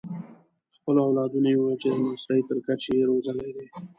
د خپلو اولادونو یې وویل چې د ماسټرۍ تر کچې یې روزلي دي.